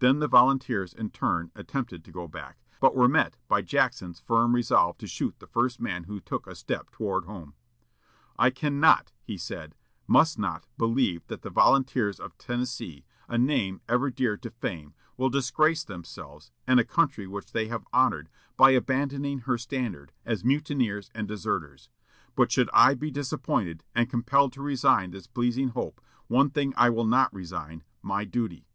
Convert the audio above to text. Then the volunteers, in turn, attempted to go back, but were met by Jackson's firm resolve to shoot the first man who took a step toward home. "I cannot," he said, "must not believe that the 'Volunteers of Tennessee,' a name ever dear to fame, will disgrace themselves, and a country which they have honored, by abandoning her standard, as mutineers and deserters; but should I be disappointed, and compelled to resign this pleasing hope, one thing I will not resign my duty.